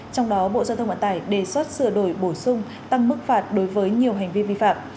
trong đó bộ giao thông vận tải đề xuất sửa đổi bổ sung tăng mức phạt đối với nhiều hành vi vi phạm